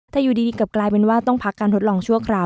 แต่อยู่ดีกลับกลายเป็นว่าต้องพักการทดลองชั่วคราว